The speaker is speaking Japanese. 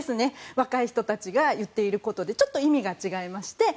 若い人たちが言っていることでちょっと意味が違いまして。